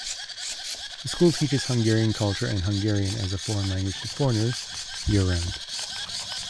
The School teaches Hungarian culture and Hungarian as a foreign language to foreigners, year-round.